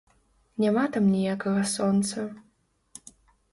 Няма там ніякага сонца.